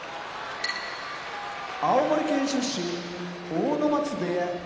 青森県出身阿武松部屋